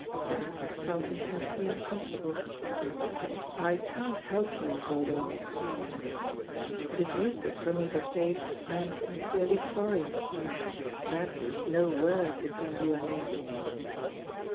Jack felt intensely uncomfortable. "I can't help you, Dodo," he said. "It is useless for me to say I am sincerely sorry. That is no word between you and me."